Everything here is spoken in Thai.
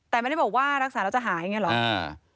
แต่ไม่ได้บอกว่ารักษาแล้วจะหายอย่างนี้หรอ